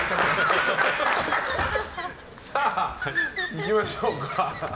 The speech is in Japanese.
いきましょうか。